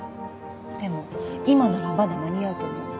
でも今ならまだ間に合うと思うの。